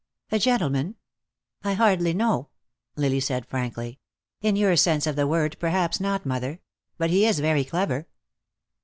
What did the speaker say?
"A gentleman?" "I hardly know," Lily said frankly. "In your sense of the word, perhaps not, mother. But he is very clever."